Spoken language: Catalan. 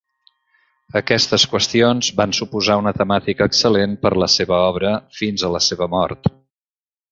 Aquestes qüestions van suposar una temàtica excel·lent per a la seva obra fins a la seva mort.